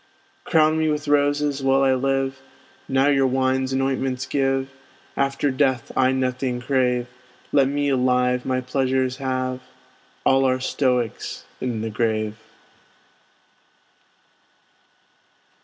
Crown me with roses while I live, Now your wines and ointments give After death I nothing crave; Let me alive my pleasures have, All are Stoics in the grave.